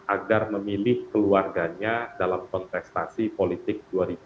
agar memilih keluarganya dalam kontestasi politik dua ribu dua puluh